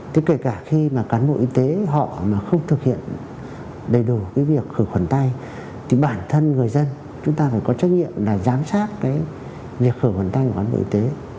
thế kể cả khi mà cán bộ y tế họ mà không thực hiện đầy đủ cái việc khử khuẩn tay thì bản thân người dân chúng ta phải có trách nhiệm là giám sát cái việc khử khuẩn tay của cán bộ y tế